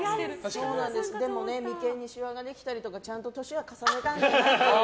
でも眉間にしわができたりとかちゃんと年は重ねたので。